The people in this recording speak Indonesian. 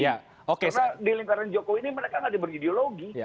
karena di lingkaran joko ini mereka tidak ada ideologi